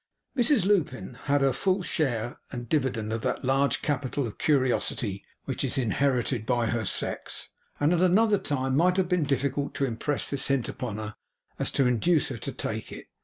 Mrs Lupin had her full share and dividend of that large capital of curiosity which is inherited by her sex, and at another time it might have been difficult so to impress this hint upon her as to induce her to take it.